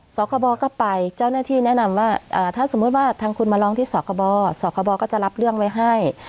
สคบก็ไปเจ้าหน้าที่แนะนำว่าถ้าสมมุติว่าทางคุณมาร้องที่สคบสคบก็จะรับเรื่องไว้ให้